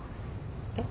えっ？